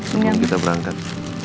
sebelum kita berangkat